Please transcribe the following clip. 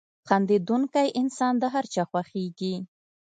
• خندېدونکی انسان د هر چا خوښېږي.